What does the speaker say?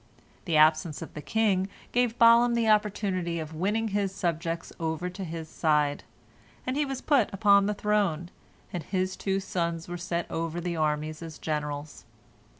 The absence of the king gave Balaam the opportunity of winning his subjects over to his side, and he was put upon the throne, and his two sons were set over the army as generals.